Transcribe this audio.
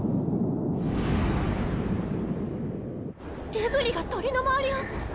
デブリが鳥の周りを。